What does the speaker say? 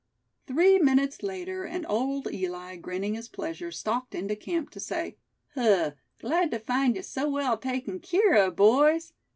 Three minutes later, and Old Eli, grinning his pleasure, stalked into camp, to say: "Huh! glad tuh find ye so well taken keer of, boys.